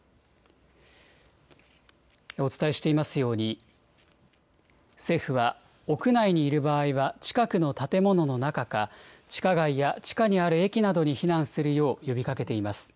お伝えしていますように、政府は、屋内にいる場合は近くの建物の中か、地下街や地下にある駅などに避難するよう呼びかけています。